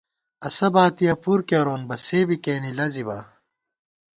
اسہ باتِیہ پُر کېرون بہ ، سے بی کېنے لَزِبا